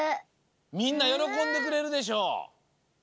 みんなよろこんでくれるでしょ？